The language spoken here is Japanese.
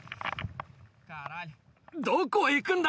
どこへ行くんだ。